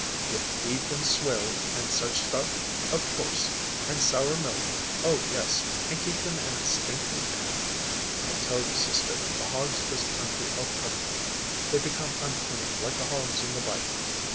"You feed them swill and such stuff? Of course! And sour milk? Oh, yes! And keep them in a stinking pen? I tell you, sister, the hogs of this country are put upon! They become unclean, like the hogs in the Bible.